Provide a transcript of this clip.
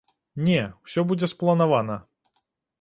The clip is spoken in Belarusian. Не, усё будзе спланавана.